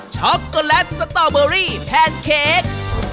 ช็อกโกแลตสตอเบอรี่แพนเค้ก